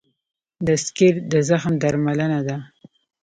د سکېر د زخم درملنه ده.